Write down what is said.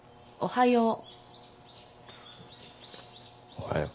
おはよう。